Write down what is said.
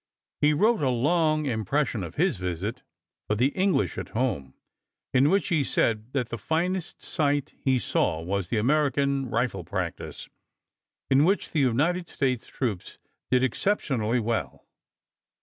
He wrote a long impression of his visit for the English at home, in which he said that the finest sight he saw was the American rifle practice, in which the United States troops did exceptionally well.